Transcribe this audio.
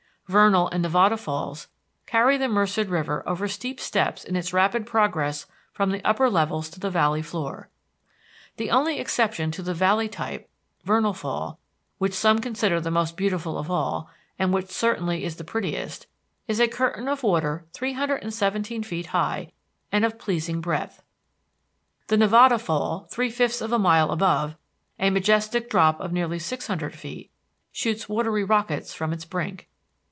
Vernal and Nevada Falls carry the Merced River over steep steps in its rapid progress from the upper levels to the valley floor. The only exception to the valley type, Vernal Fall, which some consider the most beautiful of all, and which certainly is the prettiest, is a curtain of water three hundred and seventeen feet high, and of pleasing breadth. The Nevada Fall, three fifths of a mile above, a majestic drop of nearly six hundred feet, shoots watery rockets from its brink.